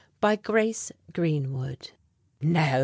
BY GRACE GREENWOOD. No!